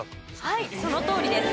はいそのとおりです。